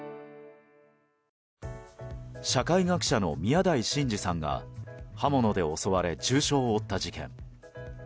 社会学者の宮台真司さんが刃物で襲われ重傷を負った事件。